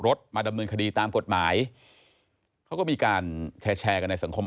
รถมาดำเนินคดีตามกฎหมายเขาก็มีการแชร์แชร์กันในสังคม